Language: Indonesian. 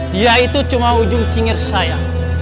dia itu cuma ujung cingir saya